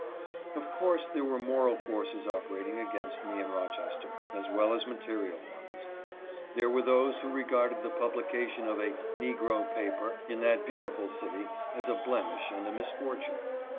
Of course there were moral forces operating against me 326 IMPROVES THE ROCHESTER ATMOSPHERE. in Rochester, as well as material ones. There were those who regarded the publication of a "Negro paper" in that beautiful city as a blemish and a misfortune.